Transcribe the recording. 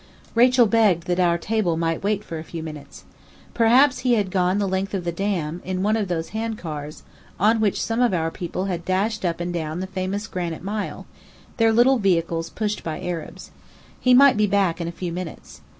Rachel begged that our table might wait for a few minutes. Perhaps he had gone the length of the Dam in one of those handcars, on which some of our people had dashed up and down the famous granite mile, their little vehicles pushed by Arabs. He might be back in a few minutes.